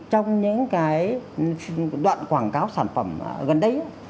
trong những cái đoạn quảng cáo sản phẩm gần đây